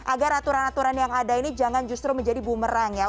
agar aturan aturan yang ada ini jangan justru menjadi bumerang ya